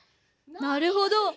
なるほど。